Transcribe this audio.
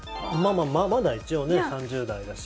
まあまだ一応３０代だし。